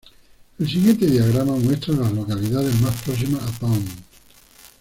El siguiente diagrama muestra a las localidades más próximas a Pound.